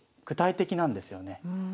具体的なんですよね。